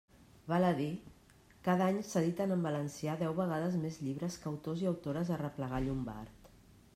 Val a dir, cada any s'editen en valencià deu vegades més llibres que autors i autores arreplegà Llombart.